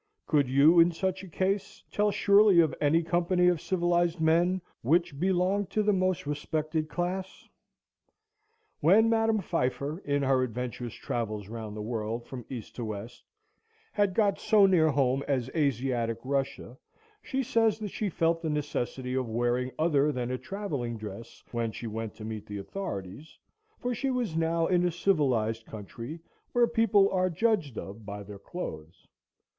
Could you, in such a case, tell surely of any company of civilized men, which belonged to the most respected class? When Madam Pfeiffer, in her adventurous travels round the world, from east to west, had got so near home as Asiatic Russia, she says that she felt the necessity of wearing other than a travelling dress, when she went to meet the authorities, for she "was now in a civilized country, where ——— people are judged of by their clothes."